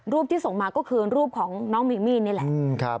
ที่ส่งมาก็คือรูปของน้องมิมี่นี่แหละ